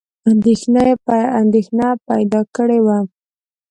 اندېښنه پیدا کړې وه.